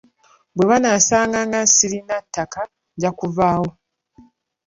Bwe banaasanga nga sirinaawo ttaka nja kuvaawo.